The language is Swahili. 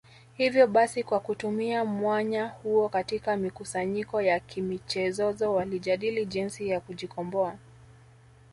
Ivyo basi kwa kutumia mwanya huo katika mikusanyiko ya kimichezozo walijadii jinsi ya kujikomboa